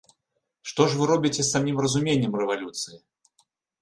Што ж вы робіце з самім разуменнем рэвалюцыі?!